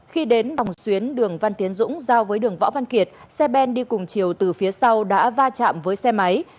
khi đến vòng xuyến đường văn tiến dũng giao với đường võ văn kiệt xe ben đi cùng chiều từ phía sau đã va chạm với xe máy